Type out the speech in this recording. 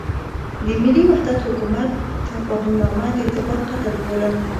د ملي وحدت حکومت تفاهمنامه د اعتبار قتل بولم.